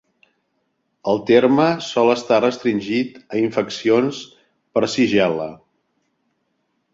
El terme sol estar restringit a infeccions per shigel·la.